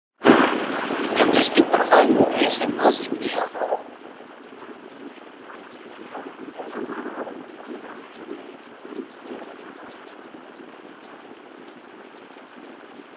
The best performing nation was India.